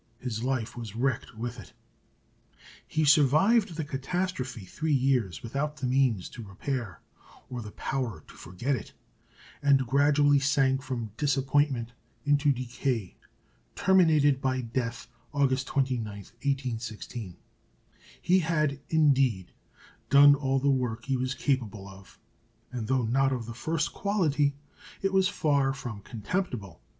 His life was wrecked with it. He survived the catastrophe three years without the means to repair, or the power to forget it, and gradually sank from disappointment into decay, terminated by death, August 29, 1816. He had, indeed, done all the work he was capable of; and though not of the first quality, it was far from contemptible.